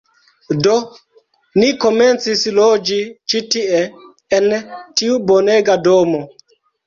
Do, ni komencis loĝi ĉi tie, en tiu bonega domo.